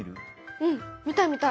うん見たい見たい！